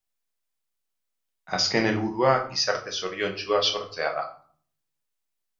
Azken helburua gizarte zoriontsua sortzea da.